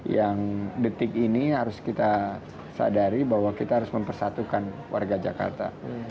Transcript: yang detik ini harus kita sadari bahwa kita harus mempersatukan warga jakarta